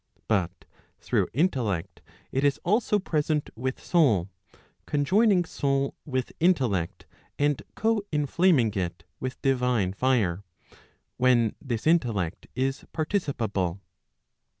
But through intellect it is also present with soul, conjoining soul with intellect and co inflaming it £with divine fire], when this intellect is participable.